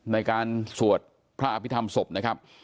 ในการสวดพระอภิษฐรรมศพนะครับ